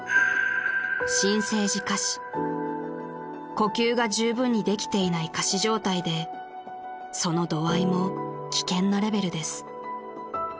［呼吸がじゅうぶんにできていない仮死状態でその度合いも危険なレベルです］